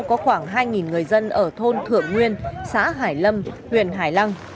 có khoảng hai người dân ở thôn thượng nguyên xã hải lâm huyện hải lăng